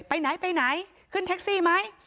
ไปไหนไปไหนขึ้นแท็กซี่ไหม